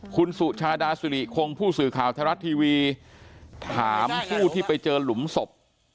คุณสุชาดาสุริคงผู้สื่อข่าวไทยรัฐทีวีถามผู้ที่ไปเจอหลุมศพ